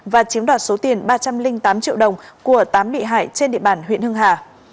và chiếm đoạt số tiền ba trăm linh tám triệu đồng của tám bị hại trên địa bàn huyện hưng hà